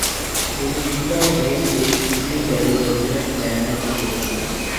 گزشتہ روز ایک نجی ٹیلی وژن چینل سے گفتگو